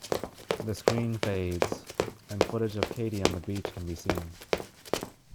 The screen fades, and footage of Katie on the beach can be seen.